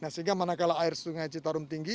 sehingga mana kalah air sungai citarum tinggi